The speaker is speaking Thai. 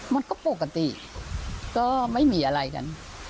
มันก็ปกติก็ไม่มีอะไรกัน